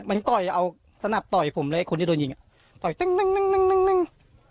มันต่อยเอาสนับต่อยผมแล้วคนที่โดนยิงต่อยตึงตึงตึงตึงตึง